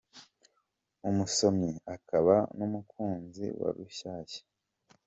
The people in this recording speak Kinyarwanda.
Umusomyi akababa n’ umukunzi wa Rushyashya.